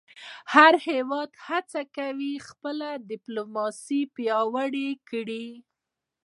هر هېواد هڅه کوي خپله ډیپلوماسي پیاوړې کړی.